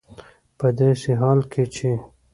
په داسې حال کې چې